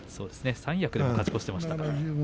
三役でも勝ち越していますから。